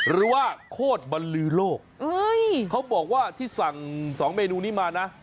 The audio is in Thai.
โคตรบรรลือโลกเขาบอกว่าที่สั่ง๒เมนูนี้มานะ